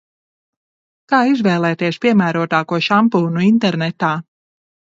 Kā izvēlēties piemērotāko šampūnu internetā?